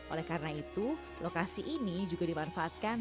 oleh karena itu lokasi ini juga dimanfaatkan